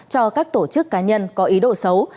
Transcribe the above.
cho các tổ chức cá nhân có ý đồ xấu